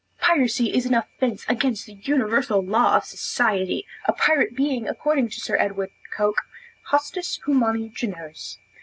Piracy is an offence against the universal law of society, a pirate being according to Sir Edward Coke, stis humani generis.